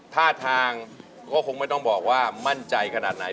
ท่าทางก็คงไม่ต้องบอกว่ามั่นใจขนาดไหน